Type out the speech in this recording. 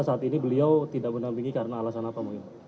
saat ini beliau tidak menampingi karena alasan apa mungkin